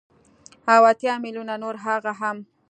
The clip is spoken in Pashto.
او اتيا ميليونه نور هغه وو.